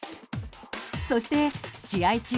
そして試合中